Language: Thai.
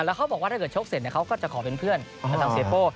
แล้วเขาบอกว่าถ้าเกิดชกเสร็จเขาก็จะขอเป็นเพื่อนกับทางเสียโป้